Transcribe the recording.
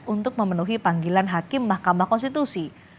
untuk memenuhi panggilan hakim mahkamah konstitusi